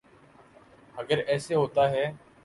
اگر ایسے ہوتا ہے۔